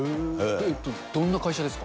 どんな会社ですか。